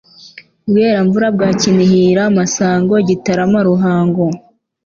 Bweramvura bwa Kinihira Masango Gitarama Ruhango